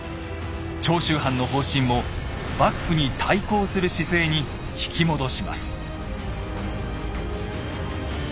長州藩の方針を幕府に対抗する姿勢に引き戻します。